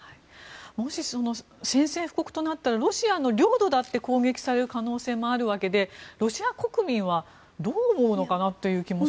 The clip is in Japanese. もし、宣戦布告となったらロシアの領土だって攻撃される可能性もあるわけでロシア国民はどう思うのかなと。